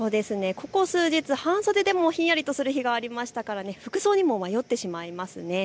ここ数日、半袖でもひんやりとする日がありましたから服装にも迷ってしまいますね。